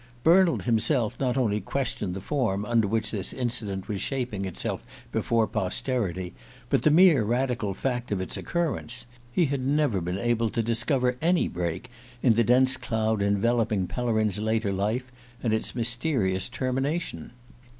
Bernald himself not only questioned the form under which this incident was shaping itself before posterity, but the mere radical fact of its occurrence: he had never been able to discover any break in the dense cloud enveloping Pellerin's later life and its mysterious termination.